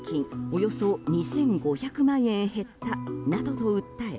およそ２５００万円減ったなどと訴え